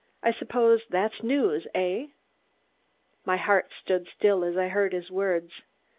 I suppose that's news eh?" My heart stood still as I heard his words.